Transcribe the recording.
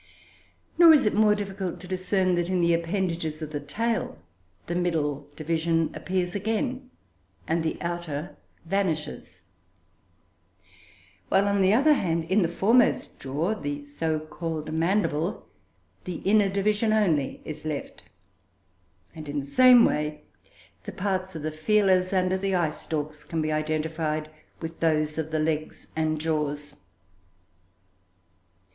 Nor is it more difficult to discern that, in the appendages of the tail, the middle division appears again and the outer vanishes; while, on the other hand, in the foremost jaw, the so called mandible, the inner division only is left; and, in the same way, the parts of the feelers and of the eye stalks can be identified with those of the legs and jaws.